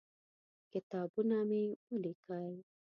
کتابونه مې ولیکل.